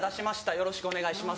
よろしくお願いします」。